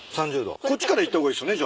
こっちからいった方がいいっすよね？